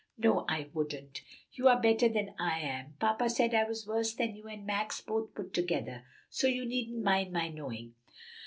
"No, I wouldn't. You are better than I am. Papa said I was worse than you and Max both put together. So you needn't mind my knowing."